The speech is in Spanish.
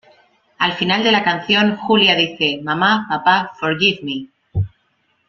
Al final de la canción, Julia dice "Mama, papa, forgive me".